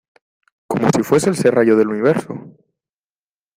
como si fuese el serrallo del Universo.